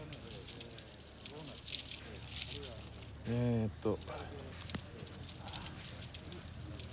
えっと。